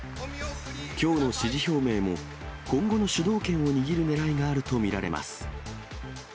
きょうの支持表明も、今後の主導権を握るねらいがあると見られます。